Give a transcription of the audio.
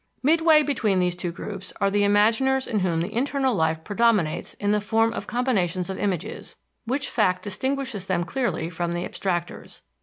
Midway between these two groups are the imaginers in whom the internal life predominates in the form of combinations of images, which fact distinguishes them clearly from the abstractors.